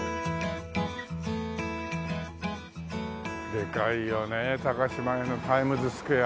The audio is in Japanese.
でかいよねタカシマヤのタイムズスクエア。